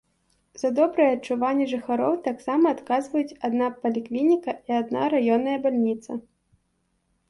За добрае адчуванне жыхароў таксама адказваюць адна паліклініка і адна раённая бальніца.